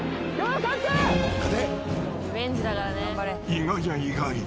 ［意外や意外。